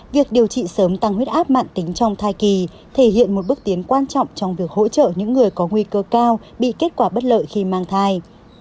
việc điều trị sớm tăng huyết áp mạng tính trong thai kỳ thể hiện một bước tiến quan trọng trong việc hỗ trợ những người có nguy cơ cao bị kết quả bất lợi khi mang thai